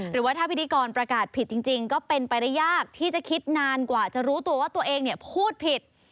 หรือว่าถ้าพิธีกรประกาศผิดจริงก็เป็นไปได้ยากที่จะคิดนานกว่าจะรู้ตัวว่าตัวเองพูดผิด